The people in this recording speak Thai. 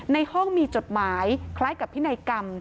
ในห้องมีจดหมายคล้ายกับพินัยกรรม